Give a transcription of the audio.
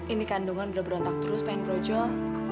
ini kandungan udah berontak terus pengen brojol